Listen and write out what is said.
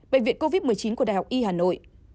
bệnh viện covid một mươi chín của đại học y hà nội